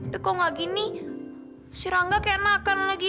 tapi kalau nggak gini si rangga kayak enakan lagi